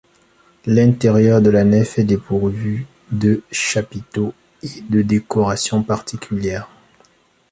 L'intérieur de la nef est dépourvu de chapiteaux et de décoration particulière.